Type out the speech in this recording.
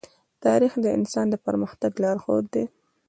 تاریخ د انسان د پرمختګ لارښود دی.